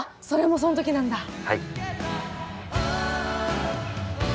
それもその時なんだ！